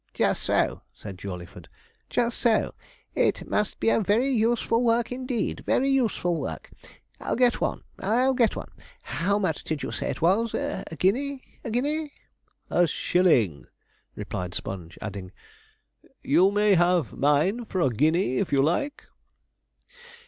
'Just so,' said Jawleyford, 'just so. It must be a very useful work indeed, very useful work. I'll get one I'll get one. How much did you say it was a guinea? a guinea?' 'A shilling,' replied Sponge, adding, 'you may have mine for a guinea if you like.'